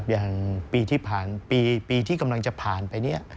อย่างปีที่กำลังผ่าน